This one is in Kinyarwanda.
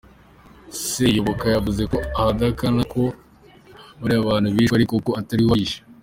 Seyoboka yavuze ko adahakana ko bariya bantu bishwe ariko ko atari we wabishe.